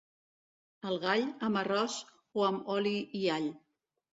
El gall, amb arròs o amb oli i all.